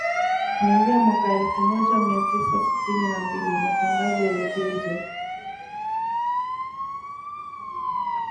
Kuanzia mwaka elfu moja mia tisa sitini na mbili matangazo yaligeuzwa